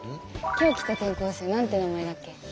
今日来た転校生なんて名前だっけ？